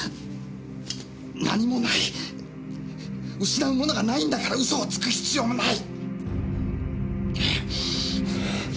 失うものがないんだから嘘をつく必要もない！